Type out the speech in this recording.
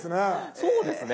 そうですね。